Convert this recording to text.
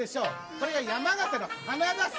これが山形の花笠。